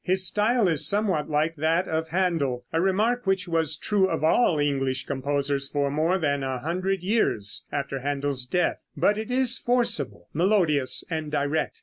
His style is somewhat like that of Händel, a remark which was true of all English composers for more than a hundred years after Händel's death; but it is forcible, melodious and direct.